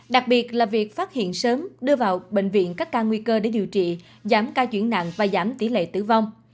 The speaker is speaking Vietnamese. đặc biệt là việc phát hiện sớm đưa vào bệnh viện các ca nguy cơ để điều trị giảm ca chuyển nặng và giảm tỷ lệ tử vong